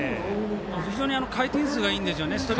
非常に回転数がいいんですよね。